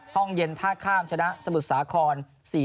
ห้องเย็นท่าข้ามชนะสมุทรสาคร๔๐